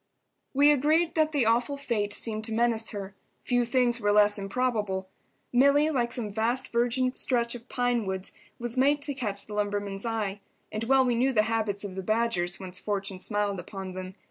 We agreed that the awful fate seemed to menace her. Few things were less improbable. Milly, like some vast virgin stretch of pine woods, was made to catch the lumberman's eye. And well we knew the habits of the Badgers, once fortune smiled upon them.